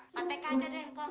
patek aja deh kong